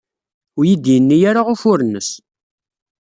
Ur iyi-d-yenni ara ufur-nnes.